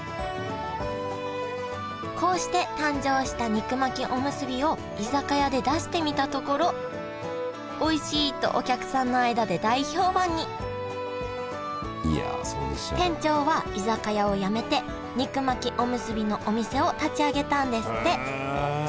こうして誕生した肉巻きおむすびを居酒屋で出してみたところ「おいしい！」とお客さんの間で大評判に店長は居酒屋をやめて肉巻きおむすびのお店を立ち上げたんですって